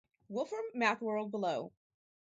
Wolfram MathWorld below.